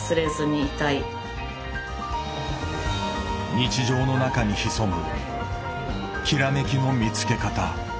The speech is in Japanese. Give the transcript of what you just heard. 日常の中に潜むきらめきの見つけ方。